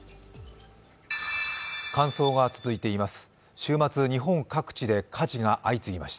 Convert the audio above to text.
乾燥が続いています。